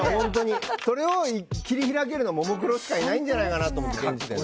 それを切り開けるのはももクロしかいないんじゃないかなって現時点で。